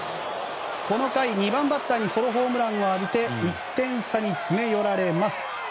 この回、２番バッターにソロホームランを浴びて１点差に詰め寄られます。